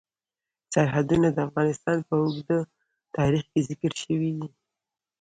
سرحدونه د افغانستان په اوږده تاریخ کې ذکر شوی دی.